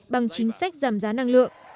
bằng chính sách giảm giá năng lượng